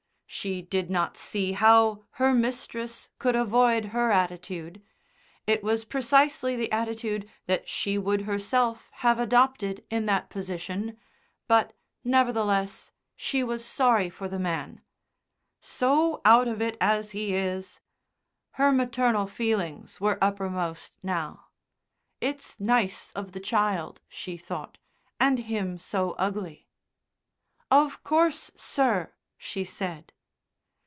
She did not see how her mistress could avoid her attitude: it was precisely the attitude that she would herself have adopted in that position, but, nevertheless, she was sorry for the man. "So out of it as he is!" Her maternal feelings were uppermost now. "It's nice of the child," she thought, "and him so ugly." "Of course, sir," she said.